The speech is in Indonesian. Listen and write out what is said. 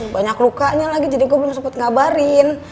banyak lukanya lagi jadi gue belum sempet ngabarin